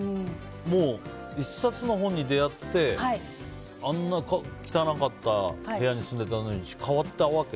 １冊の本に出会ってあんな汚かった部屋に住んでたのに変わったわけ？